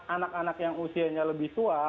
anak anak yang usianya lebih tua